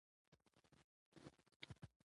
زه د نوو شیانو زده کړي ته لېواله يم.